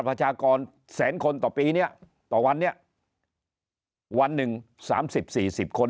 ประชากรแสนคนต่อปีเนี่ยต่อวันเนี่ยวันหนึ่ง๓๐๔๐คน